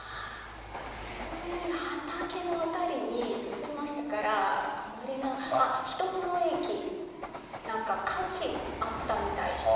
普通に畑の辺りに進みましたから、あまり、あっ、１つの駅、なんか火事あったみたい。